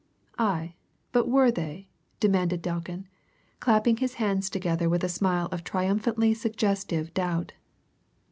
"Aye, but were they?" demanded Delkin, clapping his hands together with a smile of triumphantly suggestive doubt.